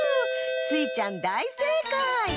スイちゃんだいせいかい！